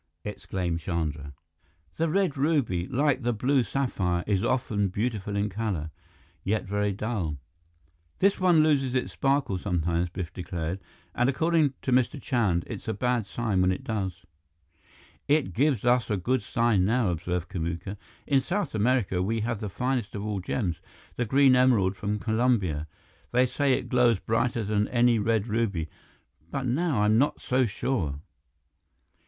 exclaimed Chandra. "The red ruby, like the blue sapphire, is often beautiful in color, yet very dull." "This one loses its sparkle sometimes," Biff declared. "And according to Mr. Chand, it's a bad sign when it does." "It gives us a good sign now," observed Kamuka. "In South America, we have the finest of all gems, the green emerald from Colombia. They say it glows brighter than any red ruby, but now I am not so sure."